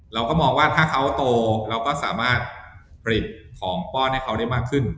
เราก็มองว่าถ้าเขาโตเราก็สามารถผลิตของป้อนให้เขาได้มากขึ้น